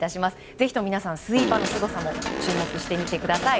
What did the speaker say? ぜひとも皆さん、スイーパーのすごさも注目して見てください。